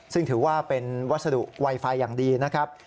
ซึ่งถือว่าเป็นวัสดุไวไฟอย่างดีนะครับ